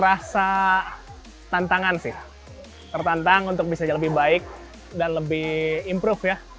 rasa tantangan sih tertantang untuk bisa lebih baik dan lebih improve ya